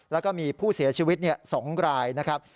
แล้วก็มีผู้เสียชีวิต๒รายนะครับ